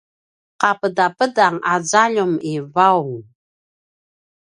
’apedapedang a zaljum i vaung